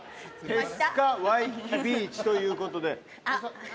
ペスカ・ワイキキビーチということで。